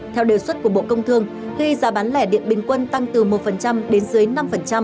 theo đề xuất của bộ công thương khi giá bán lẻ điện bình quân tăng từ một đến dưới năm